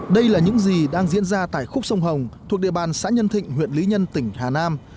đây là những gì đang diễn ra tại khúc sông hồng thuộc địa bàn xã nhân thịnh huyện lý nhân tỉnh hà nam